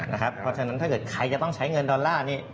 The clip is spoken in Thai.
เพราะฉะนั้นถ้าเกิดใครจะต้องใช้เงินดอลลาร์นี้